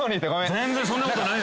全然そんなことないよ。